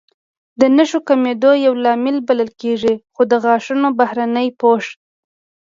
د نښو کمېدو یو لامل بلل کېږي، خو د غاښونو بهرنی پوښ